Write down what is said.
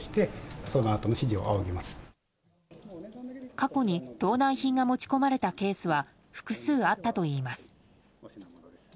過去に盗難品が持ち込まれたケースは複数あったといいます。